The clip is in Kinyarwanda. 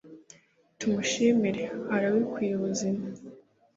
tumushimire, arabikwiye ubuzima